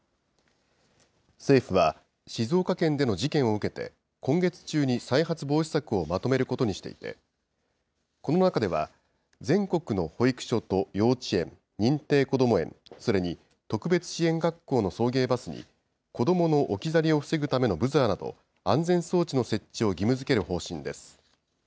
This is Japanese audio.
政府は、静岡県での事件を受けて、今月中に再発防止策をまとめることにしていて、この中では、全国の保育所と幼稚園、認定こども園、それに特別支援学校の送迎バスに、子どもの置き去りを防ぐためのブザーなど安全装置の設置を義務づける方針です。